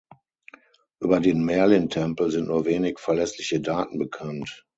Über den "Merlin Tempel" sind nur wenig verlässliche Daten bekannt.